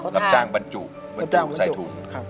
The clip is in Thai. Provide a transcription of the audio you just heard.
รับจ้างบรรจุบรรจุใส่ถุง